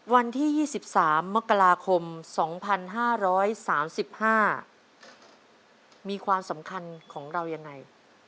วันที่๒๓มกราคม๒๕๓๕มีความสำคัญของเรายังไง